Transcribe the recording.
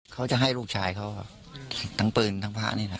เขาจะให้ลูกชายเขาทั้งปืนทั้งพระนี่แหละ